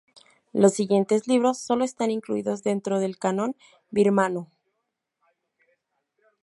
Los siguientes libros sólo están incluidos dentro del Canon birmano.